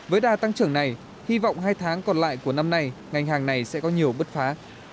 với đà tăng trưởng này hy vọng hai tháng còn lại của năm nay ngành hàng này sẽ có nhiều bứt phá